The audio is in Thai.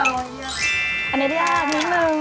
มือค่ะ